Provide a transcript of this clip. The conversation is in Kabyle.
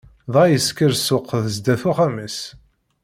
Dɣa yesker ssuq sdat uxxam-is.